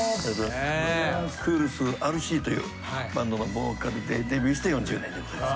クールスＲＣというバンドのボーカルでデビューして４０年でございます。